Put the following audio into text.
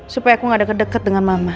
supaya aku gak deket deket dengan mama